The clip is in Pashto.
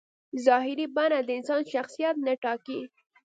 ظاهري بڼه د انسان شخصیت نه ټاکي.